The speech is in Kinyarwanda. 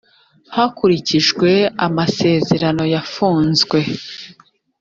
hakurikijwe amasezerano yafunzwe.